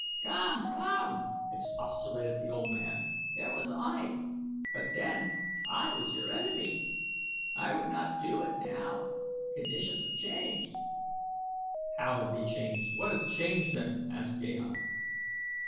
"Come, come!" expostulated the old man; "it was I, but then I was your enemy. I would not do it now. Conditions have changed." "How have they changed? What has changed them?" asked Gahan.